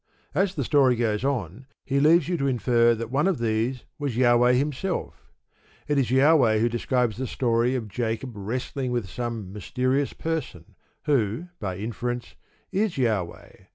As the story goes on, he leaves you to infer that one of these was Jahweh himself. It is J. who describes the story of Jacob wrestling with some mysterious person, who, by inference, is Jahweh.